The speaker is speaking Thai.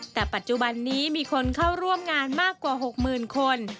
แต่ปัจจุบันนี้มีคนเข้าร่วมงานมากกว่า๖๐๐๐คน